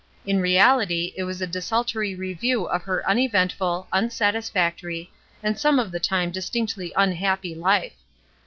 In reality it was a desultory review of her uneventful, unsatisfactory, and some of the time distinctly unhappy life.